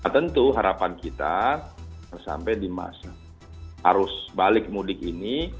tentu harapan kita sampai di masa arus balik mudik ini